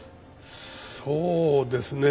そうですね。